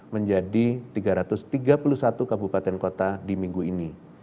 menjadi tiga ratus tiga puluh satu kabupaten kota di minggu ini